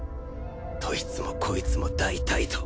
どいつもこいつもダイダイと。